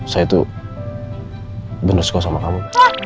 saya tuh bener suka sama kamu